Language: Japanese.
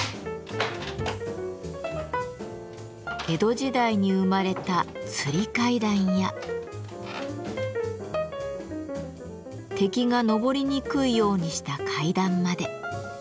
江戸時代に生まれた吊り階段や敵が上りにくいようにした階段まで。